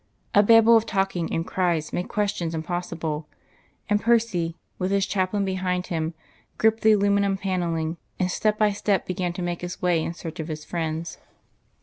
A babble of talking and cries made questions impossible; and Percy, with his chaplain behind him, gripped the aluminium panelling, and step by step began to make his way in search of his friends.